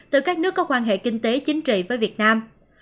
từ các nước có quan hệ kinh tế chính trị với việt nam